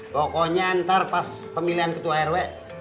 pokoknya ntar pas pemilihan ketua rw